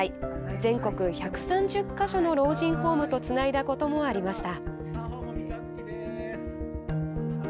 全国１３０か所の老人ホームとつないだこともありました。